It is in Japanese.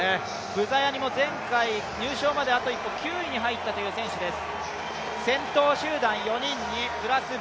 ブザヤニも前回入賞まであと一歩、９位に入った選手です。